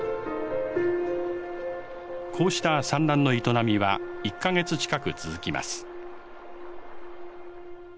こうした産卵の営みは１か月近く続きます。